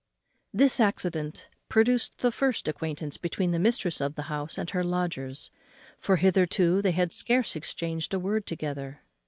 This accident produced the first acquaintance between the mistress of the house and her lodgers; for hitherto they had scarce exchanged a word together.